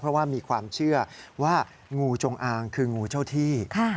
เพราะว่ามีความเชื่อว่างูจงอางคืองูเจ้าที่